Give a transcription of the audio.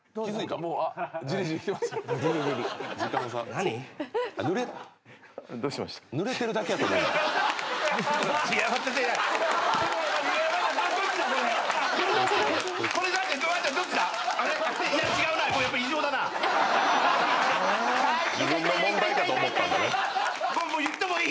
もう言ってもいい？